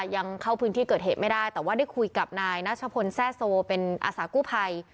ยังเข้าพื้นที่เกิดเหตุไม่ได้แต่ว่าได้คุยกับนายนัชพลแซ่โซเป็นอาสากู้ภัย